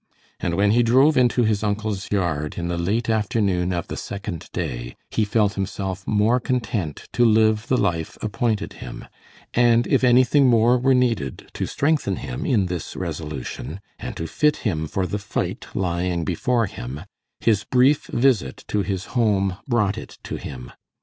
And when he drove into his uncle's yard in the late afternoon of the second day, he felt himself more content to live the life appointed him; and if anything more were needed to strengthen him in this resolution, and to fit him for the fight lying before him, his brief visit to his home brought it to him.